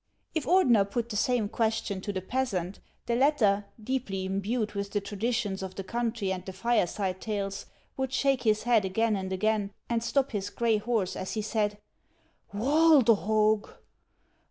If Ordener put the same question to the peasant, the latter, deeply imbued with the traditions of the country and the fireside tales, would shake his head again and again, and stop his gray horse, as he said :" Walderhog